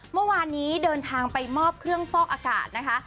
เมื่อวานนี้เดินทางไปมอบเครื่องฟอกอากาศนะคะ